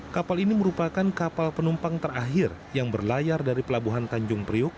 kapal ini merupakan kapal penumpang terakhir yang berlayar dari pelabuhan tanjung priuk